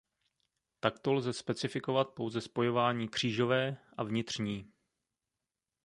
Takto lze specifikovat pouze spojování "křížové" a "vnitřní".